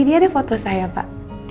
ini ada foto saya pak